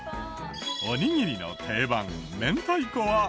おにぎりの定番明太子は。